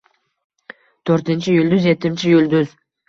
To‘rtinchi yulduz— yetimcha yulduz.